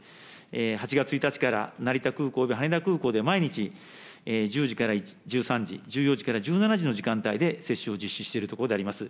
８月１日から成田空港と羽田空港で毎日、１０時から１３時、１４時から１７時の時間帯で接種を実施しているところであります。